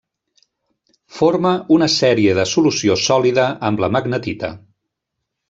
Forma una sèrie de solució sòlida amb la magnetita.